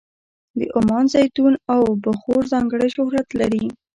د عمان زیتون او بخور ځانګړی شهرت لري.